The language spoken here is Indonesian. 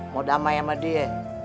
mau damai ama dia ya